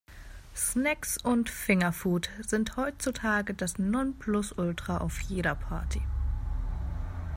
Snacks und Fingerfood sind heutzutage das Nonplusultra auf jeder Party.